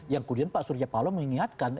yang kemudian pak surya paloh mengingatkan